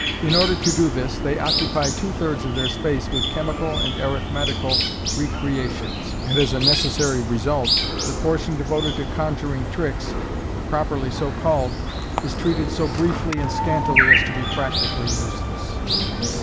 In order to do this, they occupy two thirds of their space with chemical and arithmetical recreations, and as a necessary result, the portion devoted to conjuring tricks, pro perly so called, is treated so briefly and scantily as to be practically useless.